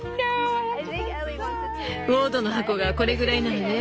ウォードの箱がこれぐらいならね。